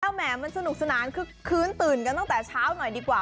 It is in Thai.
แหมมันสนุกสนานคือคืนตื่นกันตั้งแต่เช้าหน่อยดีกว่า